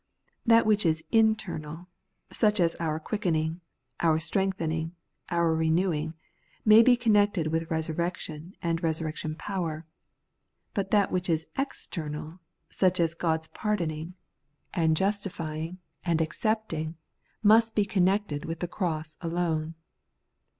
That which is internal, such as our quickening, our strengthening, our renewing, may be connected with resurrection and resurrection power ; but that which is external, such as God's pardoning, and Not Faith, hut Christ 119 justifying, and accepting, must be connected with the cross alone.